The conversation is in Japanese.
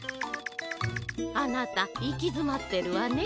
あなたいきづまってるわね。